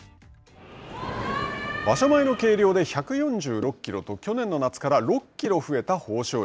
場所前の計量で１４６キロと去年の夏から６キロ増えた豊昇龍。